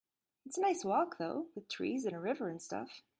It's a nice walk though, with trees and a river and stuff.